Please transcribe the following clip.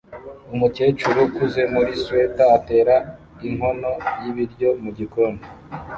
umukecuru ukuze muri swater atera inkono y'ibiryo mugikoni